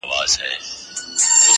o درواغجن، هېرجن وي!